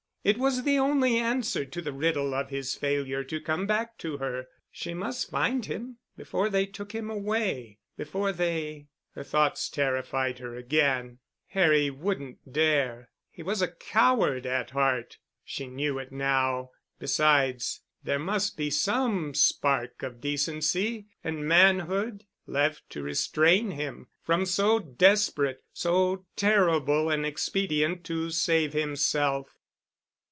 It was the only answer to the riddle of his failure to come back to her. She must find him—before they took him away—before they ... Her thoughts terrified her again. Harry wouldn't dare. He was a coward at heart. She knew it now. Besides, there must be some spark of decency and manhood left to restrain him from so desperate, so terrible an expedient to save himself.